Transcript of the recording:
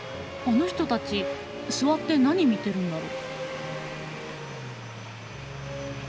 あの人たち座って何見てるんだろう？